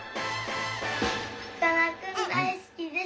さかなクン大好きです。